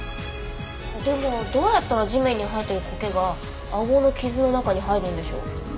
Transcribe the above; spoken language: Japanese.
でもどうやったら地面に生えてる苔が顎の傷の中に入るんでしょう？